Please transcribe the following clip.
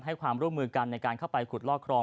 ให้ความร่วมมือกันในการเข้าไปขุดลอกครอง